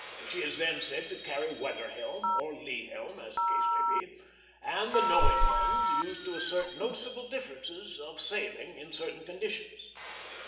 She is then said to carry weather helm or lee helm, as the case may be; and the knowing ones used to assert noticeable differences of sailing in certain conditions.